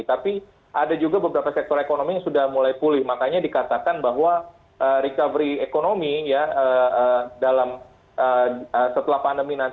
tapi ada juga beberapa sektor ekonomi yang sudah mulai pulih makanya dikatakan bahwa recovery ekonomi ya dalam setelah pandemi nanti